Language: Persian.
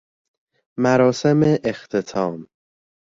مراسم اختتام